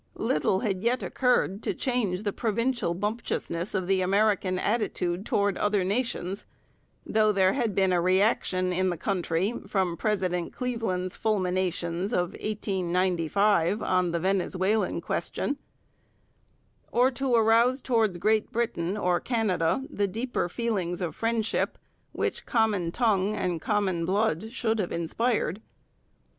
Little had yet occurred to change the provincial bumptiousness of the American attitude towards other nations though there had been a reaction in the country from President Cleveland's fulminations of 1895 on the Venezuelan question or to arouse towards Great Britain or Canada the deeper feelings of friendship which common tongue and common blood should have inspired.